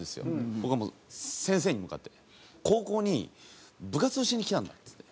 僕はもう先生に向かって「高校に部活をしにきたんだ」っつって。